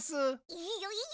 いいよいいよ！